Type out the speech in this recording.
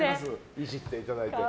イジっていただいて。